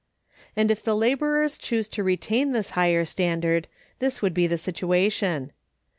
And, if the laborers chose to retain this higher standard, this would be the situation.